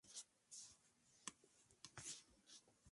La obra se compone de un prólogo, veinticinco capítulos y un final.